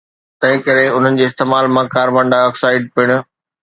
تنهنڪري انهن جي استعمال مان ڪاربان ڊاءِ آڪسائيڊ پڻ